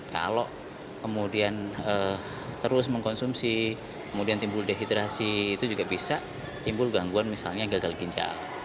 kalau kemudian terus mengkonsumsi kemudian timbul dehidrasi itu juga bisa timbul gangguan misalnya gagal ginjal